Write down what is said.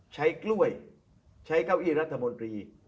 ใช้กล้วยใช้เก้าอี้รัฐมนตรี